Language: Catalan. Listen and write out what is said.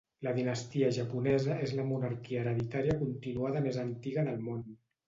La dinastia japonesa és la monarquia hereditària continuada més antiga del món.